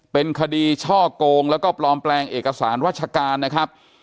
เป็นคดีช่อกงแล้วก็ปลอมแปลงเอกสารราชการนะครับ